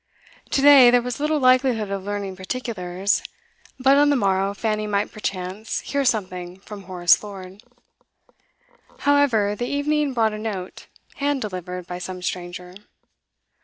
To day there was little likelihood of learning particulars, but on the morrow Fanny might perchance hear something from Horace Lord. However, the evening brought a note, hand delivered by some stranger.